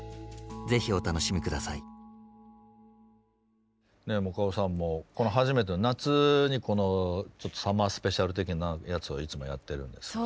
是非お楽しみください。もかおさんもこの初めて夏にサマースペシャル的なやつをいつもやってるんですけど。